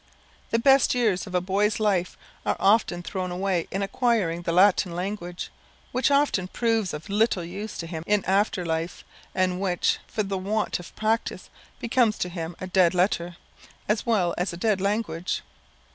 The best years of a boy's life are often thrown away in acquiring the Latin language, which often proves of little use to him in after life, and which, for the want of practice, becomes to him a dead letter, as well as a dead language.